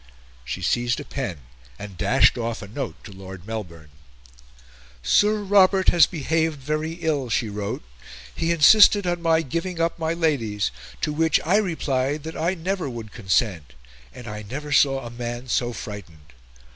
She seized a pen and dashed off a note to Lord Melbourne. "Sir Robert has behaved very ill," she wrote, "he insisted on my giving up my Ladies, to which I replied that I never would consent, and I never saw a man so frightened...